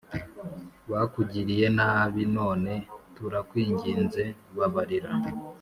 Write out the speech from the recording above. bakugiriye nabi None turakwinginze babarira